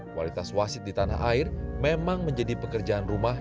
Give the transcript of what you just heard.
kualitas wasit di tanah air memang menjadi pekerjaan rumah